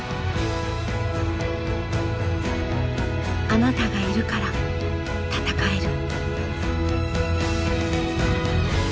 「あなたがいるから戦える」。